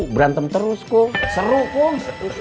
berantem terus kum seru kum